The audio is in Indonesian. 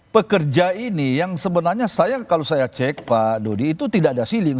pekerja ini yang sebenarnya kalau saya cek pak dodi itu tidak ada healing